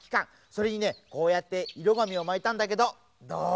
それにねこうやっていろがみをまいたんだけどどう？